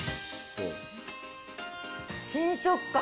新食感。